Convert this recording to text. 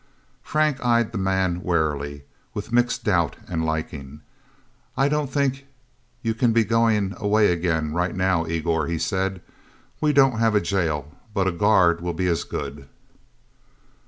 Nelsen eyed the man warily, with mixed doubt and liking. "I don't think you can be going away again, right now, Igor," he said. "We don't have a jail, but a guard will be as good..."